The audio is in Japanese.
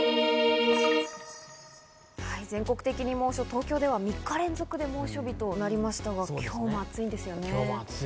東京では３日連続で猛暑日となりましたが、今日も暑いんですよね。